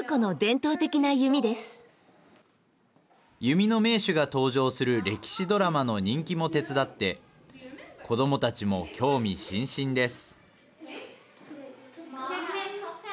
弓の名手が登場する歴史ドラマの人気も手伝って子どもたちも興味津々です。